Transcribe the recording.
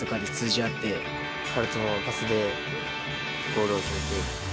はるとのパスで、ゴールを決めて。